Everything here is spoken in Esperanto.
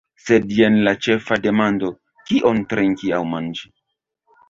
Sed jen la ĉefa demando: « kion trinki aŭ manĝi."